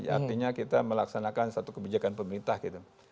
artinya kita melaksanakan satu kebijakan pemerintah gitu